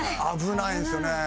危ないんですよね。